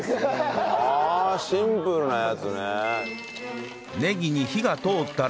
ああシンプルなやつね。